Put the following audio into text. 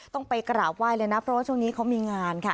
ต้องไปกราบไหว้เลยนะเพราะว่าช่วงนี้เขามีงานค่ะ